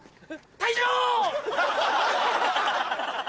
退場！